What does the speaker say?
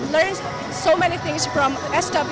jadi semoga di masa depan